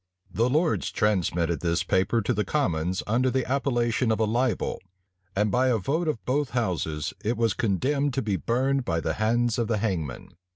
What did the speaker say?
The lords transmitted this paper to the commons, under the appellation of a libel; and by a vote of both houses it was condemned to be burned by the hands of the hangman.